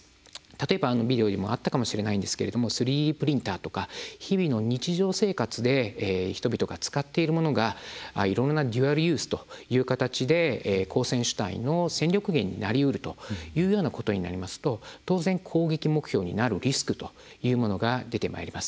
例えばビデオでもあったかもしれないんですが３Ｄプリンターとか日々の日常生活で人々が使っているものがいろいろなデュアルユースという形で戦力源になりうるというようなことになりますと当然攻撃目標になるリスクというものが出てまいります。